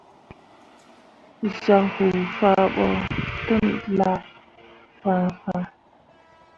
Zyak huu fah ɓo telah fãhnfãhn.